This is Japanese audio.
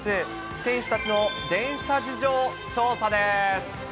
選手たちの電車事情を調査です。